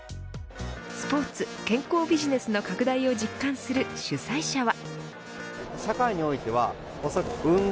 スポーツ健康ビジネスの拡大を実感する主催者は。